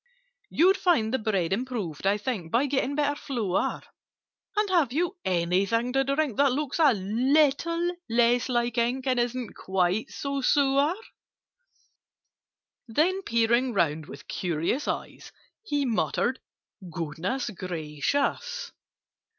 "You'd find the bread improved, I think, By getting better flour: And have you anything to drink That looks a little less like ink, And isn't quite so sour?" Then, peering round with curious eyes, He muttered "Goodness gracious!"